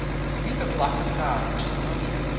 '_Feed the flock of God which is among you....